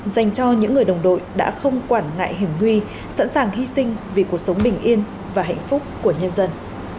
dành cho những người đồng đội đã không quản ngại hiểm nguy sẵn sàng hy sinh vì cuộc sống bình yên và hạnh phúc của nhân dân